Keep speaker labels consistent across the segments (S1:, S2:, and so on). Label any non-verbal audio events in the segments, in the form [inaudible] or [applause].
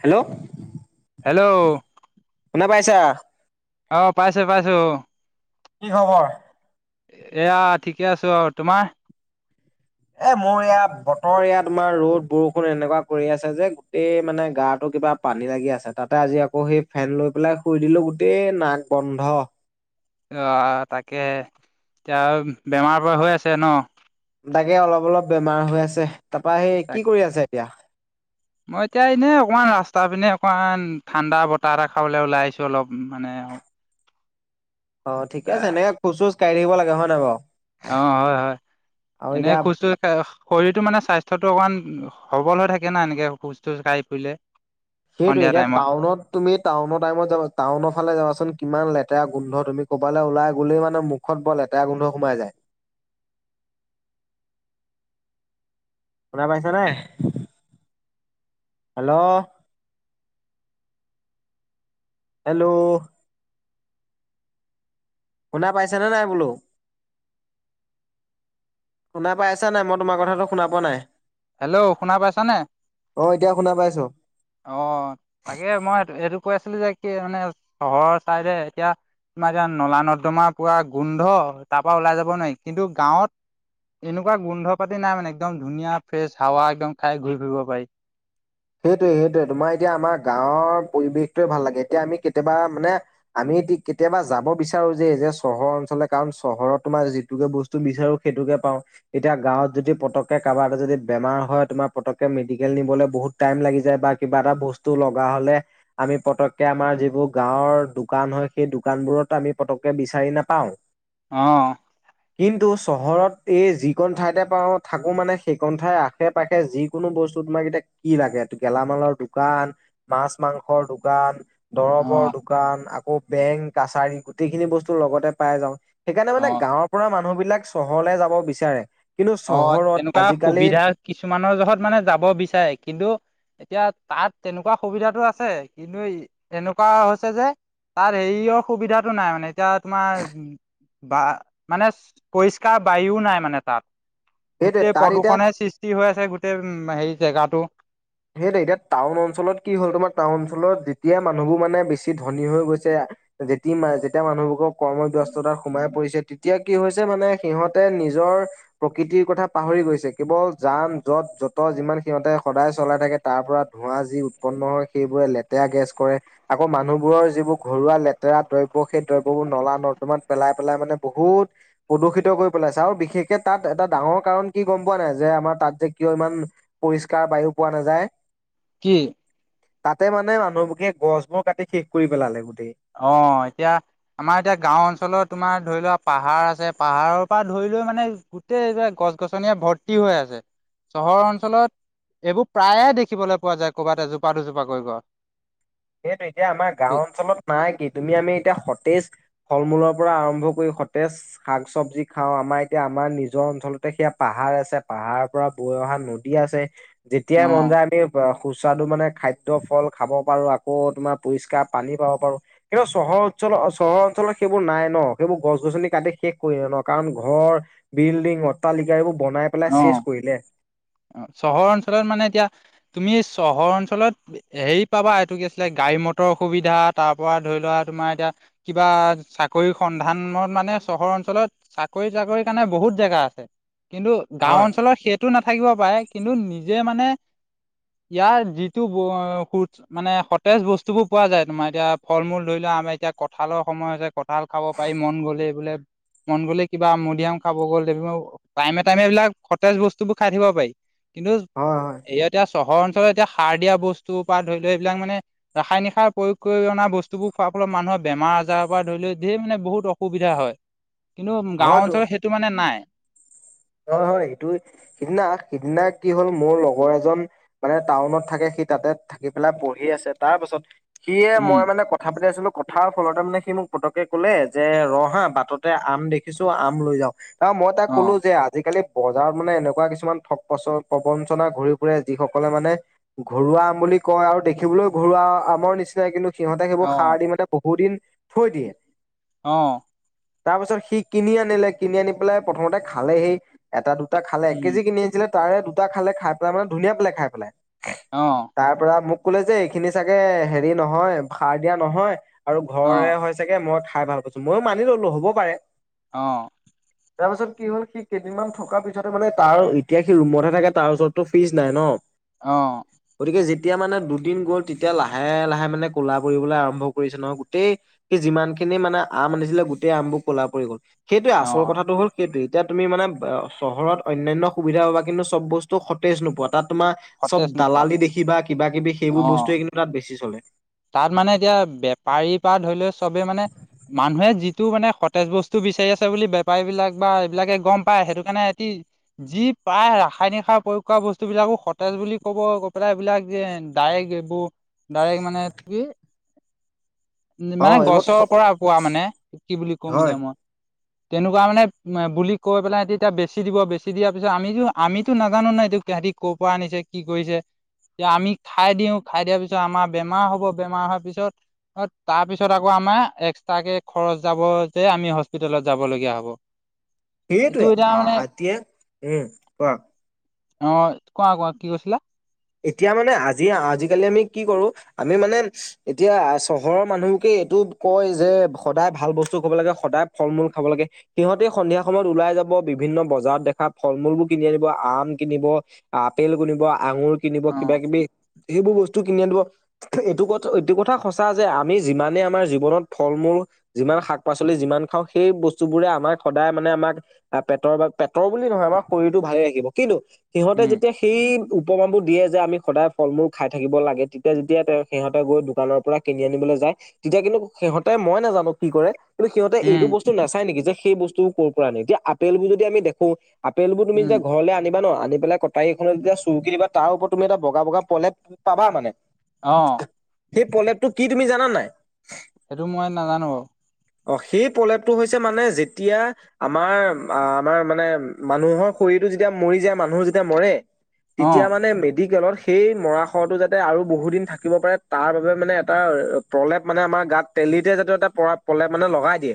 S1: Hello.
S2: Hello.
S1: শুনা পাইছা?
S2: অ', পাইছোঁ পাইছোঁ।
S1: কি খবৰ?
S2: এয়া ঠিকে আছো আৰু, তোমাৰ?
S1: এ মোৰ এয়া বতৰ এয়া তোমাৰ ৰ'দ-বৰষুণ এনেকুৱা কৰি আছে যে গোটেই মানে গাটো কিবা পানী লাগি আছে, তাতে আজি আকৌ সেই ফেন লৈ পেলাই শুই দিলো গোটেই নাক বন্ধ।
S2: অ', তাকে এতিয়া বেমাৰ বাৰ হৈ আছে ন?
S1: তাকে অলপ-অলপ বেমাৰ হৈ আছে। তাৰপা এই
S2: তাক
S1: কি কৰি আছে এতিয়া?
S2: মই এতিয়া এনে অকমান ৰাস্তাৰ পিনে অকমান ঠাণ্ডা বতাহ এটা খাবলে ওলাই আহিছো অলপ মানে
S1: অ', ঠিকে আছে এনেকে খোজ চোজ কাঢ়ি থাকিব লাগে হয় নে বাৰু?
S2: অ', হয়, হয়।
S1: আৰু
S2: এনেকে
S1: এতিয়া
S2: খোজ চোজ [unintelligible] শৰীৰটো মানে স্বাস্থ্যটো অকমান সবল হৈ থাকে না এনেকে খোজ চোজ কাঢ়ি ফুৰিলে।
S1: সেইটোয়ে,
S2: সন্ধিয়া
S1: এতিয়া
S2: টাইমত
S1: টাউনত তুমি টাউনৰ টাইমত যাব টাউনৰ ফালে যাবাচোন কিমান লেতেৰা গোন্ধ তুমি ক'বালে ওলাই গ'লেই মানে মু খত বৰ লেতেৰা গোন্ধ সোমাই যায়। শুনা পাইছা নে? হেল্ল'। হেল্ল'। শুনা পাইছা নে নাই বোলো? শুনা পাই আছা নাই, মই তোমাৰ কথাটো শুনা পোৱা নাই।
S2: হেল্ল', শুনা পাইছানে?
S1: অ এতিয়া শুনা পাইছো।
S2: অ', তাকে মই এইটো কৈ আছিলো যে কি মানে চহৰৰ চাইদে এতিয়া তোমাৰ এতিয়া নলা-নৰ্দমাৰ পুৰা গোন্ধ তাৰ পৰা ওলাই যাব নোৱাৰি। কিন্তু গাঁৱত এনেকুৱা গোন্ধ পাতি নাই মানে একদম ধুনীয়া ফ্ৰেছ হাৱা একদম খাই ঘূৰি ফুৰিব পাৰি।
S1: সেইটোৱে, সেইটোৱে, তোমাৰ এতিয়া আমাৰ গাঁৱৰ পৰিৱেশটোৱে ভাল লাগে। এতিয়া আমি কেতিয়াবা মানে আমি টি কেতিয়াবা যাব বিচাৰোঁ যে এই যে চহৰ অঞ্চলে কাৰণ চহৰত তোমাৰ যিটোকে বচ টো বিচাৰোঁ সেইটোকে পাওঁ। এতিয়া গাঁৱত যদি পতককে কাৰবা এটা যদি বেমাৰ হয়, তোমাৰ পতককে মেডিকেল নিবলে বহুত টাইম লাগি যায় বা কিবা এটা বস্তু লগা হ'লে আমি পতককে আমাৰ যিবোৰ গাঁৱৰ দোকান হয়, সেই দোকানবোৰত আমি পতককে বিচাৰি নাপাওঁ।
S2: অঁ।
S1: কিন্তু চহৰত এই যিকণ ঠাইতে পাওঁ, থাকো মানে সেইকণ ঠাইৰ আশে-পাশে যি কোনো বস্তু তোমাক এতিয়া কি লাগে, গেলামালৰ দোকান, মাছ মাংসৰ দোকান
S2: অ
S1: দৰবৰ দোকান, আকৌ বেংক-কাছাৰী গোটেইখিনি বস্তু লগতে পাই যাওঁ। সেইকাৰণে
S2: অ
S1: মানে গাঁৱৰ পৰা মানুহবিলাক চহৰলে যাব বিচাৰে। কিন্তু
S2: অ',
S1: চহৰত
S2: তেনেকুৱা
S1: আজিকালি
S2: সুবিধা কিছুমানৰ জহত মানে যাব বিচাৰে, কিন্তু এতিয়া, তাত তেনেকুৱা সুবিধাটো আছে, কিন্তু, এনেকুৱা হৈছে যে তাত হেৰি অ' সুবিধাটো নাই মানে, এতিয়া তোমাৰ বা, মানে, পৰিষ্কাৰ বায়ুও নাই মানে তাত
S1: সেইটোৱে
S2: গোটেই
S1: তাত এতিয়া
S2: প্ৰদূষণে সৃষ্টি হৈ আছে গোটেই উ হেৰি জেগাটো
S1: সেইটোৱে, এতিয়া টাউন অঞ্চলত কি হ'ল তোমাৰ টাউন অঞ্চলত যেতিয়া মানুহবোৰ বেছি ধনী হৈ গৈছে। যেতি মা যেতিয়া মানুহবোৰৰ কৰ্মব্যস্ততা সোমাই পৰিছে এতিয়া কি হৈছে মানে সিহঁতে নিজৰ প্ৰকৃতিৰ কথা পাহৰি গৈছে কেৱল যান- যত যত যিমান সিহঁতে সদায় চলাই থাকে তাৰপৰা ধোঁৱা যি উৎপন্ন হয়। সেইবোৰে লেতেৰা গেছ কৰে আকৌ মানুহবোৰৰ যিবোৰ ঘৰুৱা লেতেৰা দ্ৰব্য সেই দ্ৰব্যবোৰ নলা- নৰ্দমাত পেলায়, পেলাই মানে বহুত প্ৰদূষিত কৰি পেলাইছে আৰু বিশেষকে তাত এটা ডাঙৰ কাৰণ কি গম পোৱা নাই? যে আমাৰ তাত যে কিয় ইমান পৰিষ্কাৰ বায়ু পোৱা নাযায়
S2: কি?
S1: তাতে মানে মানুহবোকে গছবোৰ কাটি শেষ কৰি পেলালে গোটেই
S2: অ', এতিয়া, আমাৰ এতিয়া গাওঁ অঞ্চলৰ তোমাৰ ধৰি লোৱা পাহাৰ আছে, পাহাৰৰ পৰা ধৰি লোৱা মানে গোটেই এই গছ- গছনিয়ে ভৰ্তি হৈ আছে। চহৰ অঞ্চলত, এইবোৰ প্ৰায়ে দেখিবলৈ পোৱা যায় ক'ৰবাত এজোপা দুজোপা কৰি গল।
S1: সেইটো এতিয়া আমাৰ গাওঁ অঞ্চলত নাই কি? তুমি আমি এতিয়া সতেজ ফল -মূলৰ পৰা আৰম্ভ কৰি সতেজ শাক- চবজি খাও আমাৰ এতিয়া আমাৰ নিজৰ অঞ্চলতে সেয়া পাহাৰ আছে পাহাৰ পৰা বৈ অহা নদী আছে। যেতিয়াই মন
S2: অ
S1: যায় আমি অ, সুস্বাদু মানে খাদ্য, ফল খাব পাৰোঁ আকৌ [unintelligible] তোমাৰ পৰিষ্কাৰ পানী পাব পাৰোঁ। কিন্তু চহৰ অঞ্চলৰ চহৰ অঞ্চলত সেইবোৰ নাই ন? সেইবোৰ গছ- গছনি কাটি শেষ কৰিলে ন? কাৰণ ঘৰ বিল্ডিং, অট্টালিকা এইবোৰ বনাই পেলাই
S2: অ
S1: চেচ কৰিলে
S2: অ', চহৰ অঞ্চলত মানে এতিয়া, তুমি চহৰ অঞ্চলত হেৰি পাবা এইটো কি আছিলে গাড়ী মটৰৰ সুবিধা তাৰ পৰা ধৰি লোৱা তোমাৰ এতিয়া কিবা চাকৰিৰ সন্ধানত মানে চহৰ অঞ্চলত চাকৰি, চাকৰি কাৰণে বহুত জেগা আছে। কিন্তু, গাও
S1: হয়।
S2: অঞ্চলৰ সেইটো সিটো নাথাকিব পাৰে, কিন্তু নিজে মানে, ইয়াৰ যিটো সু মানে সতেজ বস্তু বোৰ পোৱা যায়, তোমাৰ এতিয়া ফল -মূল ধৰি লোৱা আম এতিয়া কঁঠালৰ সময় হৈছে কঠাঁল খাব পাৰি মন গ'লে বোলে, মন গ'লে কিবা মধুৰিয়াম খাব গ'ল। প্ৰায়ে [unintelligible] এইবিলাক সতেজ বস্তুবোৰ খাই থাকিব পাৰি, কিন্তু,
S1: হয় হয়
S2: ইয়াতে চহৰ অঞ্চলত এতিয়া সাৰ দিয়া বস্তু পৰা ধৰি লোৱা এইবিলাক মানে ৰাসায়নিক সাৰ প্ৰয়োগ কৰি অনা বস্তুবোৰ খোৱাৰ ফলত মানুহৰ বেমাৰ আজাৰৰ পৰা ধৰি লোৱা ধেৰ মানে বহুত অসুখ সুবিধা হয়। কিন্তু গাওঁ অঞ্চলত সেইটো মানে নাই।
S1: হয়, হয়। এইটো, সিদিনা সিদিনা কি হ'ল মোৰ লগৰ এজন মানে টাউনত থাকে সি তাতে থাকি পেলাই পঢ়ি আছে। তাৰ পাছত সিয়ে
S2: উম,
S1: মই মানে ক কথা পাতি আছিলোঁ কথাৰ ফলতে মানে সি মোক পতকে কলে যে ৰ হা বাটতে আম দেখিছোঁ আম লৈ যাওঁ অ', মই তাক ক'লো
S2: অ',
S1: যে আজিকালি বজাৰত মানে এনেকুৱা কিছুমান ঠগ পচ প্ৰবঞ্চনা ঘূৰি ফুৰে যিসকলে মানে ঘৰুৱা আম বুলি কয় আৰু দেখিবলৈও ঘৰুৱা আমৰ নিচিনাই কিন্তু সিহঁতে সেইবোৰ
S2: অ',
S1: খাৰ দি মানে বহুত দিন, থৈ দিয়ে
S2: অ',
S1: তাৰ পিছত সি কিনি আনিলে কিনি আনি পেলাই প্ৰথমতে খালে সি এটা দুটা খালে এক কেজি
S2: উম,
S1: কিনি আনিছিলে তাৰে দুটা খালে খাই পেলাই মানে ধুনীয়া পালে খাই পেলাই।
S2: অ',
S1: তাৰ পৰা মোক ক'লে যে এইখিনি চাগে হেৰি নহয় সাৰ দিয়া নহয় - - আৰু
S2: অ',
S1: ঘৰৰে হৈছাগে মই খাই ভাল পাইছোঁ ময়ো মানি ল'লোঁ হ'ব পাৰে।
S2: অ',
S1: তাৰ পাছত কি হ'ল সিক - - কেইদিনমান থকাৰ পিছতহে মানে তাৰ এতিয়া সি ৰুমতহে থাকে তাৰ ওচৰতো ফিজ নাই ন।
S2: অ',
S1: গতিকে যেতিয়া মানে দুদিন গ'ল তেতিয়া লাহে লাহে মানে ক'লা পৰিবলৈ আৰম্ভ কৰিছে নহ গোটেই - - সি যিমান খিনি মানে আম আনিছিলে গোটেই আমবোৰ ক'লা পৰি গ'ল সেইটোৱে আচল
S2: অ',
S1: কথাটো হ'ল সেইটোৱে এতিয়া - - তুমি মানে ব্ চহৰত অন্যান্য সুবিধা পাবা কিন্তু চব বস্তু সতেজ নোপোৱা তাত তোমাৰ চব
S2: সতেজ নোপোৱা
S1: দালালি দেখিবা কিবা কিবি সেইবোৰ
S2: অ'।
S1: বস্তুৱয়ে কিন্তু তাত বেছি চলে।
S2: তাত মানে এতিয়া বেপাৰীৰ পৰা ধৰি লৈ চবে মানে মানুহে যি টো মানে সতেজ বস্তু বিচাৰি আছে বুলি বেপাৰী বিলাক বা এইবিলাকে গম পায় সেইটো কাৰণে এটি যি প্ৰায় ৰাসায়নিক সাৰ প্ৰয়োগ কৰা বস্তু বিলাকো সতেজ বুলি ক'ব [unintelligible] পেলাই এইবিলাক যেন ডাইৰেক্ট এইবোৰ ডাইৰেক্ট মানে কি
S1: অ
S2: মানে
S1: এইবোৰ
S2: গছৰ পৰা পোৱা মানে কি বুলি কম
S1: হয়
S2: এতিয়া মই! তেনেকুৱা মানে বুলি কৈ পেলাই তেতিয়া বেছি দিব বেছি দিয়াৰ পিছত আমিতো আমিতো নাজানো না এইটো [unintelligible] ক'ৰ পৰা আনিছে কি কৰিছে তিয়া আমি খাই দিও খাই দিয়াৰ পিছত আমাৰ বেমাৰ হ' ৰো বেমাৰ অহাৰ পিছত অ' তাৰ পিছত আকৌ আমাৰ এক্সট্ৰাকে খৰচ যাব যে আমি হস্পিতেলত যাব লগীয়া হ'ব। [inaudible] এইটো
S1: এইটোৱে
S2: এতিয়া মানে
S1: আতিয়া উ কোৱা
S2: অ' কোৱা কোৱা কি কৈছিলা?
S1: এতিয়া মানে আজি আজিকালি আমি কি কৰো আমি মানে এতিয়া চহৰৰ মানুহ কি এইটো কয় যে সদায় ভাল বস্তু খাব লাগে সদায় ফল মূল খাব লাগে। সিহঁতে সন্ধিয়া সময়ত ওলাই যাব বিভিন্ন বজাৰত দেখা ফল মূলবোৰ কিনি আনিব আম কিনিব। আপেল কিনিব আঙুৰ কিনিব
S2: অ
S1: কিবা কিবি সেইবোৰ বস্তু কিনি আনিব। থু এইটো কথা এইটো কথা সঁচা যে আমি যিমানে আমাৰ জীৱনত ফল মূল যিমান শাক পাচলি যিমান খাওঁ সেই বস্তুবোৰে আমাক সদায় মানে আমাক আ পেটৰ বা পেটৰ বুলি নহয় আমাৰ শৰীৰটো ভালে ৰাখিব কিন্তু সিহঁতে
S2: উম
S1: যেতিয়া সেই উপামাবোৰ দিয়ে যে আমি সদায় ফল মূল খাই থাকিব লাগে তেতিয়া যেতিয়া তেওঁ সিহঁতে গৈ দোকানৰ পৰা কিনি আনিবলৈ যায় তেতিয়া কিন্তু সিহঁতে মই নাজানো কি কৰে। কিন্তু সিহঁতে এইটো
S2: উম
S1: বস্তু নাচাই নেকি যে সেই বস্তুব কৰ পৰা আনে যে আপেলবোৰ যদি আমি দেখো আপেল বোৰ তুমি
S2: উম
S1: যেতিয়া ঘৰলে আনিবা ন' আনি পেলাই কটাৰীখনত যেতিয়া চুৰ্কি দিবা তাৰ ওপৰত তুমি এটা বগা বগা পলেপ পাবা মানে
S2: অ',
S1: সেই পলেপটো কি তুমি জানান নাই।
S2: সেইটো মই নাজানো বাৰু।
S1: অ' সেই প্ৰলেপটো হৈছে মানে যেতিয়া আমাৰ আ আমাৰ মানে মানুহৰ শৰীৰটো যেতিয়া মৰি যায় মানুহ যেতিয়া মৰে
S2: অ
S1: তেতিয়া মানে মেডিকেলত সেই মৰা শটো যাতে আৰু বহু দিন থাকিব পাৰে তাৰ বাবে মানে এটা প্ৰলেপ মানে আমাৰ গাত তেলিতে জাতীয় এটা পৰা প্ৰলেপ মানে লগাই দিয়ে।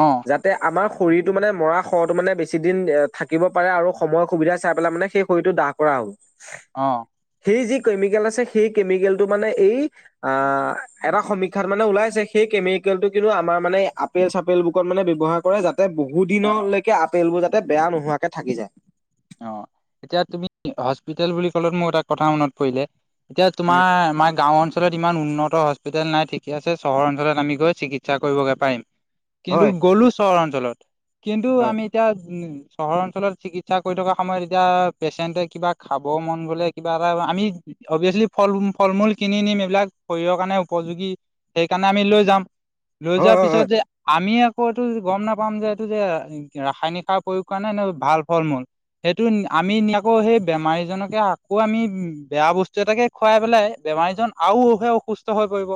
S2: অ',
S1: যাতে আমাৰ শৰীৰটো মানে মৰা শটো মানে বেছি দিন থাকিব পাৰে আৰু সময় সুবিধা চাই পেলাই মানে সেই শৰীৰতো দাহ কৰা হ'ল।
S2: অ।
S1: সেই যি কেমিকেল আছে সেই কেমিকেল টো মানে এই আ এটা সমীক্ষাত মানে ওলাইছে, সেই কেমিকেলটো কিন্তু আমাৰ মানে আপেল-চাপেল বোৰত মানে ব্যৱহাৰ কৰে, যাতে বহু
S2: অ
S1: দিনলৈকে আপেলবোৰ যাতে বেয়া নোহোৱাকে থাকি যায়।
S2: অ' এতিয়া তুমি হস্পিতেল বুলি ক'লে মোৰ এটা কথা মনত পৰি যায়। এতিয়া
S1: উম,
S2: তোমাৰ আমাৰ গাঁও অঞ্চলত ইমান উন্নত হস্পিতেল নাই ঠিকে আছে, চহৰ অঞ্চলত আমি গৈ চিকিৎসা কৰিবগৈ পাৰিম। কিন্তু
S1: হয়
S2: গ'লো চহৰ অঞ্চলত কিন্তু
S1: হয়
S2: আমি এতিয়া উম' চহৰ অঞ্চলত চিকিৎসা কৰি থকা সময়ত এতিয়া পেচেণ্টে কিবা খাব মন গ'লে কিবা এটা আমি অবিয়েচলি ফল, ফল-মূল কিনি নিম, এইবিলাক শৰীৰৰ কাৰণে উপযোগী। সেইকাৰণে আমি লৈ যাম, লৈ
S1: হয়
S2: যোৱাৰ
S1: হয়
S2: পিছত
S1: হয়
S2: যে আমি আকৌ এইটো গম নাপাম যে এইটো যে ৰাসায়নিক সাৰ প্ৰয়োগ কৰানে নে ভাল ফল-মূল। সেইটো আমি নি আকৌ সেই বেমাৰীজনকে আকৌ আমি বেয়া বস্তু এটাকে খোৱাই পেলাই বেমাৰীজন আওহে অসুস্থ হৈ পৰিব।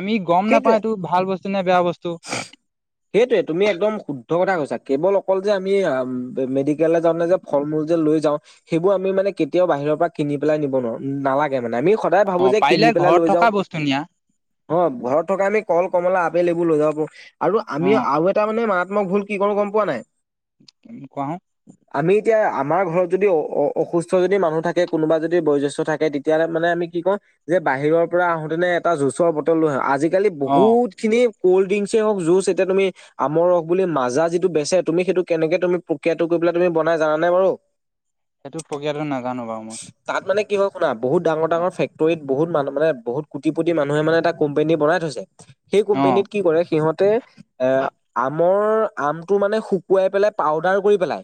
S2: আমি গম নাপাওঁ
S1: সেইটোৱে
S2: এইটো ভাল বস্তু নে বেয়া বস্তু।
S1: সেইটোৱে তুমি একদম শুদ্ধ কথা কৈছা, কেৱল অকল যে আমি মেডিকেললে [unintelligible] যালে যে ফল-মূল যে লৈ যাওঁ, সেইবোৰ আমি মানে কেতিয়াও বাহিৰৰ পৰা কিনি পেলাই নিব নোৱাৰোঁ। নালাগে মানে আমি সদায়
S2: অ
S1: ভাবোঁ যে
S2: পাৰিলে
S1: কিনি পেলাই
S2: ঘৰত
S1: লৈ
S2: থকা
S1: যাওঁ।
S2: বস্তু নিয়া
S1: অ' ঘৰত থকা আমি কল, কমলা, আপেল এইবোৰ লৈ যাব পাৰোঁ আৰু
S2: অ
S1: আমিও আৰু [unintelligible] [unintelligible] মানে আমি মাৰাত্মক ভুল কি কৰোঁ গম পোৱা নাই।
S2: কোৱা হো।
S1: আমি এতিয়া আমাৰ ঘৰত যদি অ অসুস্থ যদি মানুহ থাকে, কোনোবা যদি বয়সজেষ্ঠ থাকে তেতিয়া হ'লে মানে আমি কি কৰোঁ যে বাহিৰৰ পৰা আহোতে নে এটা জুচৰ বটল লৈ আহোঁ, আজিকালি
S2: অ
S1: বহুত [unintelligible] সেইখিনি কল্ড ড্ৰিংকছে হওঁক, জুচ এতিয়া তুমি আমৰ ৰস বুলি মাজা যিটো বেচে, তুমি সেইটো কেনেকে তুমি প্ৰক্ৰিয়াটো কৰি পেলাই তুমি বনাই জানানে বাৰু?
S2: সেইটো প্ৰক্ৰিয়াটো নাজানোঁ বাৰু মই।
S1: তাত মানে কি হয় শুনা বহুত ডাঙৰ-ডাঙৰ ফেক্টৰিত বহুত মান মানে বহুত কোটিপটি মানুহে মানে এটা কোম্পেনী বনায়। তাৰপিছত সেই
S2: অ
S1: কোম্পেনীত কি কৰে সিঁহতে এ আমৰ, আমটো মানে শুকুৱাই পেলাই পাউদাৰ কৰি পেলাই।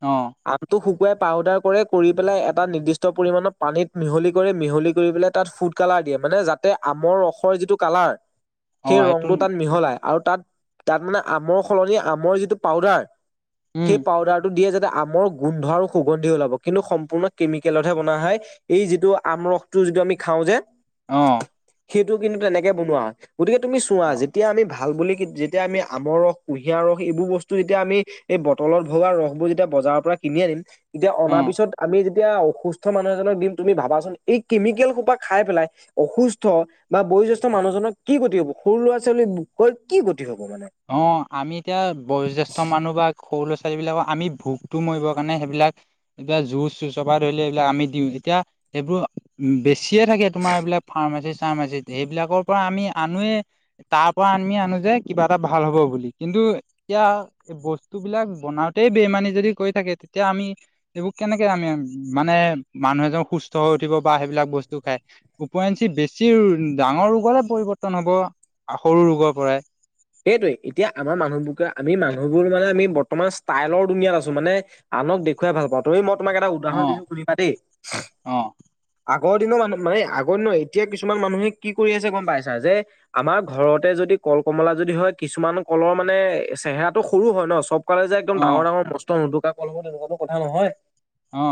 S2: অ।
S1: আমটো শুকুৱাই পাউদাৰ কৰে, কৰি পেলাই এটা নিৰ্দিষ্ট পৰিমাণৰ পানীত মিহলি কৰে, মিহলি কৰি পেলাই তাত ফুট কালাৰ দিয়ে, যাতে আমৰ ৰসৰ যিটো কালাৰ
S2: অ
S1: সেই
S2: সেইটো
S1: ৰংটো তাত মিহলাই আৰু তাত তাত মানে আমৰ সলনি আমৰ যিটো পাউদাৰ সেই
S2: উম
S1: পাউদাৰ সেইটো দিয়ে যাতে আমৰ গোন্ধ আৰু সুগন্ধি ওলাব, কিন্তু সম্পূৰ্ণ কেমিকেলতহে বনোৱা হয়। এই যিটো আম ৰসটো যিটো আমি খাওঁ যে
S2: অ'।
S1: সেইটো কিন্তু তেনেকে বনোৱা হয়। গতিকে তুমি চোৱা যিতো তেতিয়া আমি ভাল বুলি কি যেতিয়া আমি আমৰ ৰস, কুঁহিয়াৰ ৰস এইবোৰ বস্তু যেতিয়া আমি এই ব তলত ভগা ৰসবোৰ যেতিয়া বজাৰৰ পৰা কিনি আনিম, তেতিয়া অনা
S2: অ
S1: পিছত আমি যেতিয়া অসুস্থ অসুস্থ মানুহ এজনক দিম, তুমি ভাবাচোন এই কেমিকেল সোপা খাই পেলাই অসুস্থ বা বয়োজ্যেষ্ঠ পিছত মানুহজনক কি গতি হ'ব, সৰু ল'ৰা-ছোৱালী বোৰৰ কি গতি হ'ব মানে
S2: অ' আমি এতিয়া বয়োজ্যেষ্ঠ মানুহ বা সৰু ল'ৰা-ছোৱালীবিলাকৰ আমি ভোকটো মৰিবৰ কাৰণে সেইবিলাক এতিয়া জুচ চুচ পৰা ধৰিলে এইবিলাক আমি দিওঁ। তেতিয়া - সেইবোৰ বেছিয়ে থাকে তোমাৰ এইবিলাক ফাৰ্মাচি- চাৰ্মাচিত সেইবিলাকৰ পৰা আমি আনোৱে। তাৰ পৰা আমি আনো যে কিবা এটা ভাল হব বুলি। কিন্তু এতিয়া - এই বস্তুবিলাক বনাওঁতেই বেইমানি যদি কৰি থাকে, তেতিয়া আমি - এইবোৰ কেনেকে আমি মানে মানুহ এজন সুস্থ হৈ উঠিব বা হেইবিলাক বস্তু খাই। ওপৰেঞ্চি বেছি ডাঙৰ ৰোগৰে পৰিৱৰ্তন হ'ব সৰু ৰোগৰ পৰাই।
S1: সেইটোৱে এতিয়া আমাৰ মানুহবোৰ যে আমি মানুহবোৰ মানে আমি বৰ্তমান ষ্টাইলৰ দুনীয়াত আছোঁ। মানে- আনক দেখুৱাই ভাল পাওঁ। তুমি -মই তোমাক এটা
S2: অ
S1: উদাহৰণ দিছো শুনিবা দেই।
S2: অ
S1: আগৰ দিনৰ মানুহ মানে আগৰ দিনৰ এতিয়া কিছুমান মানুহে কি কৰি আছে গম পাইছা? যে- আমাৰ ঘৰতে যদি কল, কমলা- যদি হয় কিছুমান কলৰ মানে চেহেৰাটো সৰু হয় ন, চব কলে যে একদম ডাঙৰ
S2: অ',
S1: ডাঙৰ- নুদুকা কল হ'ব তেনেকুৱা কথা নহয়।
S2: অঁ।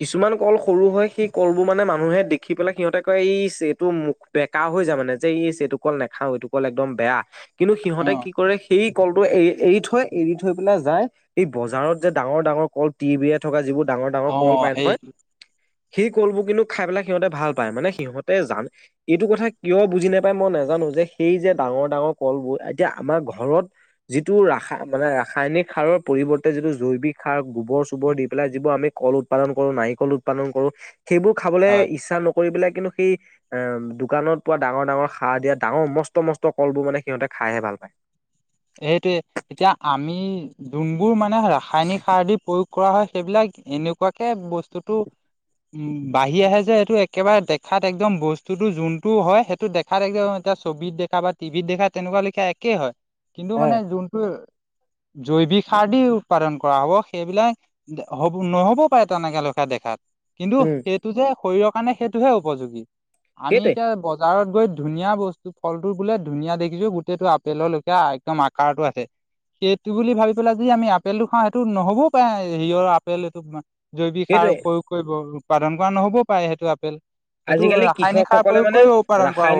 S1: কিছুমান কল সৰু হয়। সেই কলবোৰ মানে মানুহে দেখি পেলাই সিহঁতে কয় ইছ এইটো মুখ- বেকা হৈ যায়। মানে যে ইচ এইটোকল নেখাও এইটোকল একদম বেয়া। কিন্তু সিহঁতে
S2: অ',
S1: কি কৰে, সেই- কলটো এ এৰি থৈ এৰি থৈ পেলাই যাই এই বজাৰত যে ডাঙৰ ডাঙৰ কল- তিৰ বিৰিয়াই থকা যিবোৰ ডাঙৰ ডাঙৰ কল
S2: অ',
S1: পায় নহয়,
S2: সেইটো
S1: - সেই কলবোৰ কিন্তু খাই পেলাই সিহঁতে ভাল পায়। মানে সিহতে জান- এইটো কথা কিয় বুজি নাপায় মই নাজানো যে সেই যে ডাঙৰ ডাঙৰ কলবোৰ এতিয়া আমাৰ ঘৰত- যিটো ৰাসা মানে ৰাসায়নিক সাৰৰ পৰিৱৰ্তে যিটো জৈৱিক সাৰ গোৱৰ- চোবৰ দি পেলাই যিবোৰ আমি- কল উৎপাদন কৰো, নাৰিকল উৎপাদন কৰো, সেইবোৰ খাবলৈ
S2: হয়,
S1: ইচ্ছা ন। কৰি পেলাই কিন্তু সেই অঁ, দোকানত পোৱা ডাঙৰ সাৰ দিয়া, ডাঙৰ মস্ত মস্ত কলবোৰ মানে- সিহঁতে খাইহে ভাল পায়।
S2: এইটোৱে, এতিয়া আমি যোনবোৰ মানে ৰাসায়নিক সাৰ দি প্ৰয়োগ- কৰা হয়। সেইবিলাক এনেকুৱাকে বস্তুটো- উম, বাঢ়ি আহে যে এইটো একেবাৰে দেখাত একদম বস্তুতো যোনটো হয় সেইটো- খাত একদম এতিয়া ছবিত দেখা বা টিভিত দেখা তেনেকুৱা লিখিয়া একেই হয়। কিন্তু মানে
S1: হয়
S2: যোনটো জৈৱিক সাৰ দি উৎপাদন কৰা হব, সেইবিলাক- হ'ব- নহ'ব পাৰে তেনেকাকে দেখাত। কিন্তু
S1: উম।
S2: সেইটো যে শৰীৰৰ কাৰণে সেইটোহে উপযোগী। আমি
S1: সেইটোৱে
S2: এতিয়া- বজাৰত গৈ ধুনীয়া বস্তু ফলবোৰ বোলে ধুনীয়া দেখিছো গোটেইটো আপেলৰ - এয়া একদম আকাৰতো একে। সেইটো বুলি ভাবি পেলাই যদি আমি আপেলটো খাওঁ, সেইটো নহ'বও পাৰে হেৰি অৰ আপেল এইটো। জৈৱিক সাৰ
S1: সেইটোৱে
S2: প্ৰয়োগ কৰিব উৎপাদন কৰা নহ'বও পাৰে সেইটো আপেল। এইটো
S1: আজিকালি
S2: ৰাসায়নিক সাৰ
S1: কৃষকসকলে
S2: প্ৰয়োগ
S1: মানে
S2: কৰিও উপাদন কৰা হ'ব।
S1: ৰাসায়নিক